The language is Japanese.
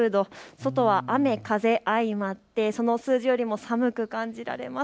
外は雨風相まってその数字よりも寒く感じられます。